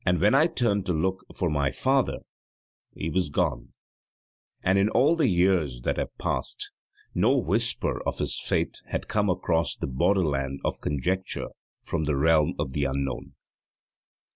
When I turned to look for my father he was gone, and in all the years that have passed no whisper of his fate has come across the borderland of conjecture from the realm of the unknown.